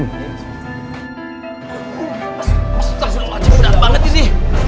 mas ustadz sudah wajib benar banget ini